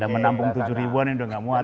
menampung tujuh ribuan yang sudah tidak muat